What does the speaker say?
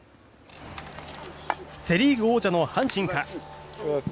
セ・リーグ王者の阪神か。